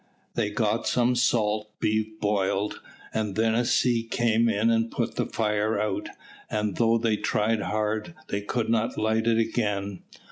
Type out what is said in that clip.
They got some salt beef boiled, and then a sea came in and put the fire out, and though they tried hard, they could not light it again.